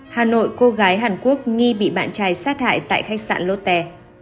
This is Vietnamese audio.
hà nội cô gái hàn quốc nghi bị bạn trai sát hại tại khách sạn lotte